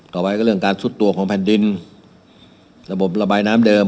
ต่อไปก็เรื่องการซุดตัวของแผ่นดินระบบระบายน้ำเดิม